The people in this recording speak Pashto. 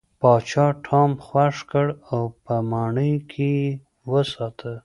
پاچا ټام خوښ کړ او په ماڼۍ کې یې وساته.